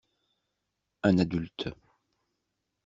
Un adulte.